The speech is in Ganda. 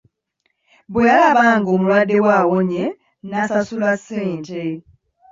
Bwe yalaba ng'omulwadde we awonye n'asasula ssente.